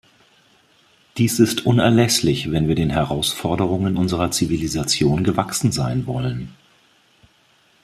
Dies ist unerlässlich, wenn wir den Herausforderungen unserer Zivilisation gewachsen sein wollen.